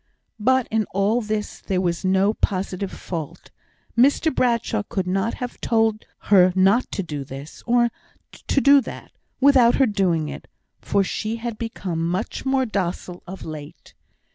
But in all this there was no positive fault. Mr Bradshaw could not have told her not to do this, or to do that, without her doing it; for she had become much more docile of late.